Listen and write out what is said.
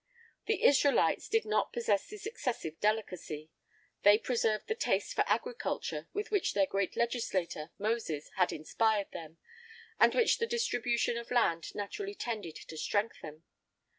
The Israelites did not possess this excessive delicacy: they preserved the taste for agriculture with which their great legislator, Moses, had inspired them, and which the distribution of land naturally tended to strengthen.